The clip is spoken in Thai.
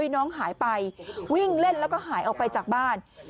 น้องหายไปวิ่งเล่นแล้วก็หายออกไปจากบ้าน